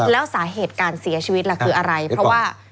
แล้วสาเหตุการเสียชีวิตล่ะคืออะไรเพราะว่า